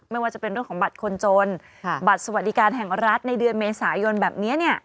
ไม่ว่าจะเป็นเรื่องของบัตรคนจนบัตรสวัสดิการแห่งรัฐในเดือนเมษายนแบบนี้